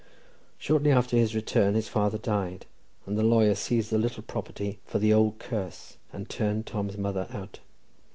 Shortly after his return, his father died, and the lawyer seized the little property "for the old curse," and turned Tom's mother out.